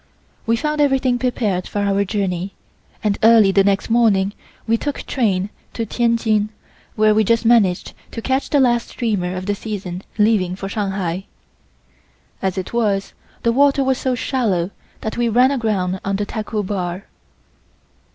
We found everything prepared for our journey, and early the next morning we took train to Tientsin where we just managed to catch the last steamer of the season leaving for Shanghai. As it was, the water was so shallow that we ran aground on the Taku bar.